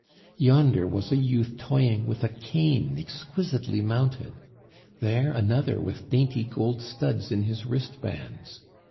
Yonder was a youth toying with a cane exquisitely mounted; there, another with dainty gold studs in his wristbands.